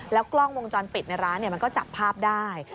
กล้องวงจรปิดในร้านมันก็จับภาพได้